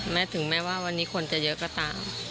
ถึงแม้ว่าวันนี้คนจะเยอะก็ตาม